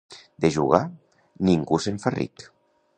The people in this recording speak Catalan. De jugar, ningú no se'n fa ric.